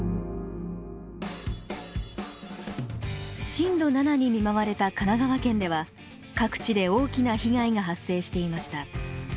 震度７に見舞われた神奈川県では各地で大きな被害が発生していました。